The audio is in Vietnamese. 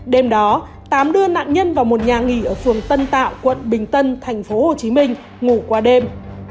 đêm đó tám đưa nạn nhân vào một nhà nghỉ ở phường tân tạo quận bình tân thành phố hồ chí minh ngủ qua đêm